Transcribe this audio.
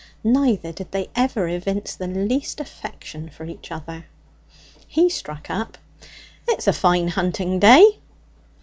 Neither did they ever evince the least affection for each other. He struck up 'It's a fine hunting day.'